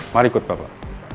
mari ikut bapak